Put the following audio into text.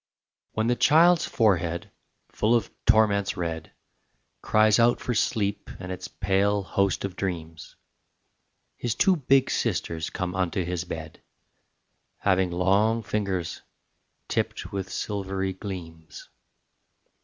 When the child's forehead, full of torments red, Cries out for sleep and its pale host of dreams, His two big sisters come unto his bed, Having long fingers, tipped with silvery gleams.